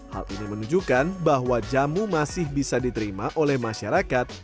hal ini menunjukkan bahwa jamu masih bisa diterima oleh masyarakat